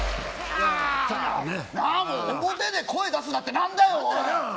表で声出すなって何だよ！